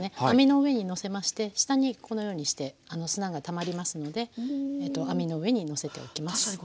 網の上にのせまして下にこのようにして砂がたまりますので網の上にのせておきます。